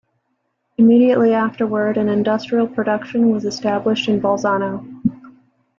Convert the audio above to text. Immediately afterward, an industrial production was established in Bolzano.